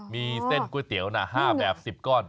มีเส้นก๋วยเตี๋ยวนะ๕แบบ๑๐ก้อน